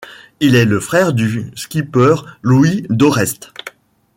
Il est le frère du skipper Luis Doreste.